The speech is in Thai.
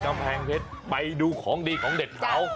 กำแพงเพชรไปดูของดีของเด็ดเขา